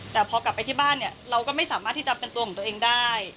แต่พอกลับไปที่บ้านเนี่ยเราก็ไม่สามารถที่จะเป็นตัวของตัวเองได้